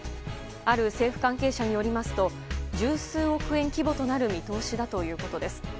ある政府関係者によりますと十数億円規模となる見通しだということです。